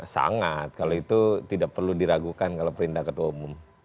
sangat kalau itu tidak perlu diragukan kalau perintah ketua umum